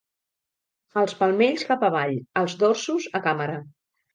Els palmells cap avall, els dorsos a càmera.